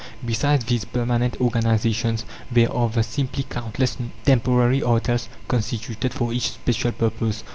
Besides these permanent organizations, there are the simply countless temporary artels, constituted for each special purpose.